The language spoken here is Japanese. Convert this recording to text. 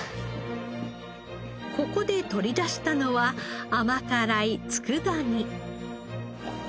ここで取り出したのは甘辛い佃煮。